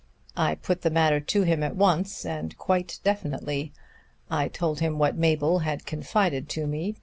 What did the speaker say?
I put the matter to him at once and quite definitely. I told him what Mabel had confided to me.